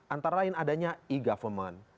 antara lain adanya e government